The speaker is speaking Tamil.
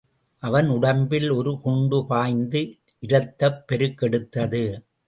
அவன் உடம்பில் ஒரு குண்டு பாய்ந்து இரத்தப் பெருக்கெடுத்தது.